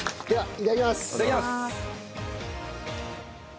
いただきます。